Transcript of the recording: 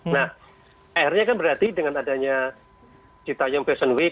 nah akhirnya kan berarti dengan adanya citanyam fashion week